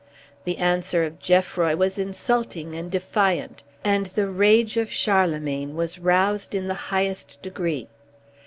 The answer of Geoffroy was insulting and defiant, and the rage of Charlemagne was roused in the highest degree.